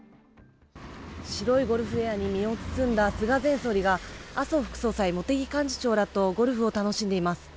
白いゴルウフウェアに身を包んだ菅前総理が麻生副総裁、茂木幹事長らとゴルフを楽しんでいます。